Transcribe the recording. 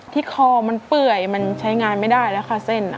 คอมันเปื่อยมันใช้งานไม่ได้แล้วค่ะเส้น